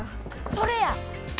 それや！